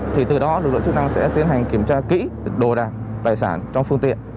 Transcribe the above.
thì từ đó lực lượng chức năng sẽ tiến hành kiểm tra kỹ đồ đạc tài sản trong phương tiện